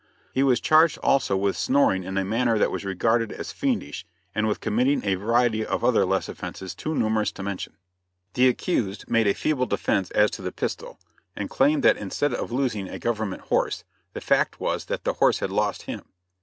He was charged also with snoring in a manner that was regarded as fiendish, and with committing a variety of other less offenses too numerous to mention. The accused made a feeble defense as to the pistol, and claimed that instead of losing a government horse, the fact was that the horse had lost him.